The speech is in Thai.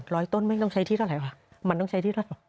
เลยต้นไม่ต้องใช้ที่เท่าไหร่วะ